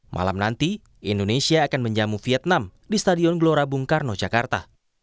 malam nanti indonesia akan menjamu vietnam di stadion gelora bung karno jakarta